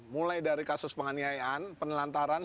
mulai dari kasus penganiayaan penelantaran